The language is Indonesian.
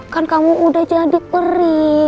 kan kamu udah jadi peri